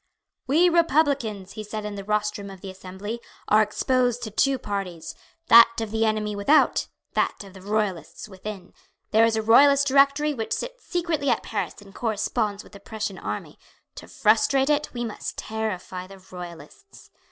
"We Republicans," he said in the rostrum of the Assembly, "are exposed to two parties, that of the enemy without, that of the Royalists within. There is a Royalist directory which sits secretly at Paris and corresponds with the Prussian army. To frustrate it we must terrify the Royalists."